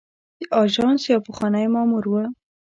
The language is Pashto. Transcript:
د آژانس یو پخوانی مامور و.